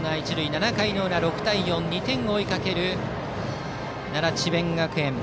７回の裏、６対４と２点を追いかける奈良・智弁学園。